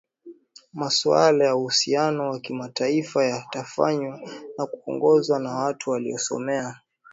Masuala ya uhusiano wa kimataifa yatafanywa na kuongozwa na watu waliosomea